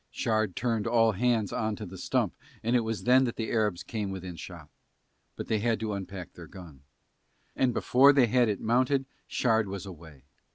Shard turned all hands on to the stump and it was then that the Arabs came within shot. But they had to unpack their gun. And before they had it mounted Shard was away.